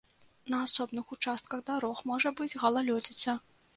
На асобных участках дарог можа быць галалёдзіца.